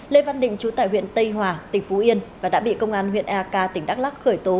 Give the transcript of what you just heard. lê văn định trú tại huyện tây hòa tỉnh phú yên và đã bị công an huyện eak tỉnh đắk lắc khởi tố